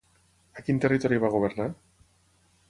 A quin territori va governar?